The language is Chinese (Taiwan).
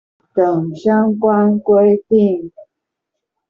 等相關規定